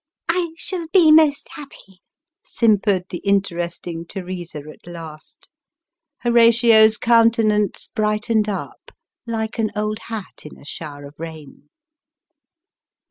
" I shall be most happy," simpered the interesting Teresa, at last. Horatio's countenance brightened up, like an old hat in a shower of rain.